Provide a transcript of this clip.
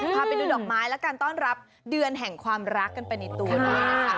พาไปดูดอกไม้แล้วกันต้อนรับเดือนแห่งความรักกันไปในตัวนี้นะคะ